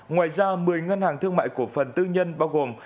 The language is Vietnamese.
ngoài ra một mươi ngân hàng thương mại cổ phần tư nhân bao gồm